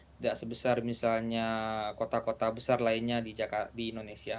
tidak sebesar misalnya kota kota besar lainnya di indonesia